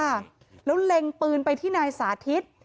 ค่ะแล้วเล็งปืนไปที่นายสาธิต